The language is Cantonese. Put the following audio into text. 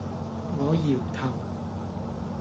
我搖頭